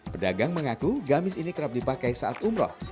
pedagang mengaku gamis ini kerap dipakai saat umroh